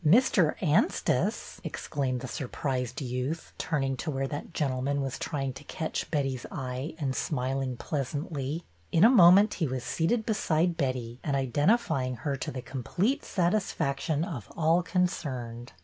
'' Mr. Anstice !" exclaimed the surprised youth, turning to where that gentleman was trying to catch Betty's eye and smiling pleasantly. In a moment he was seated beside Betty and identifying her to the complete satisfaction of all concerned.